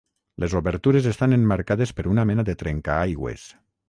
Les obertures estan emmarcades per una mena de trencaaigües.